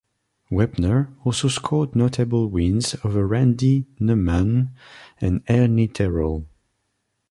Wepner also scored notable wins over Randy Neumann and Ernie Terrell.